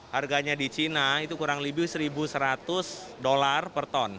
harganya di cina itu kurang lebih rp satu seratus per ton